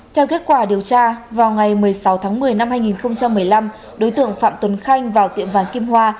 theo kết quả điều tra vào ngày một mươi sáu tháng một mươi năm hai nghìn một mươi năm đối tượng phạm tuấn khanh vào tiệm vàng kim hoa